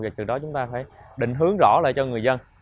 và từ đó chúng ta phải định hướng rõ lại cho người dân